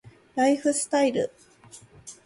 ライフスタイル